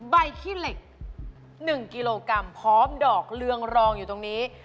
ขี้เหล็ก๑กิโลกรัมพร้อมดอกเรืองรองอยู่ตรงนี้